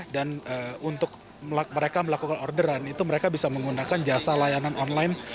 dan untuk mereka melakukan orderan itu mereka bisa menggunakan jasa layanan online